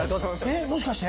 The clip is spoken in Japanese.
えっもしかして？